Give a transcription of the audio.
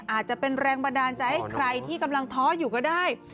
อาจจะเป็นแรงบันดาลใจให้ใครที่กำลังท้ออยู่ก็ได้